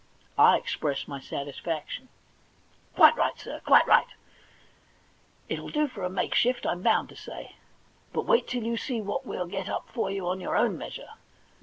I expressed my satisfaction. * Quite right, sir, quite right ; it'll do for a make shift, I'm bound to say. But wait till you see what we'll get up for you on your own measure.